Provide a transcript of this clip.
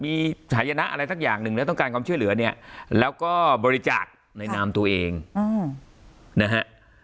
มีหายนะอะไรสักอย่างหนึ่งแล้วต้องการความช่วยเหลือเนี่ยแล้วก็บริจาคในนามตัวเองนะฮะ